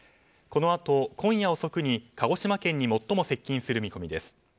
このあと、今夜遅くに鹿児島県に最も接近する見込みです。